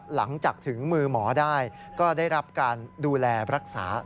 หลังจากถึงมือหมอได้ก็ได้รับการดูแลรักษา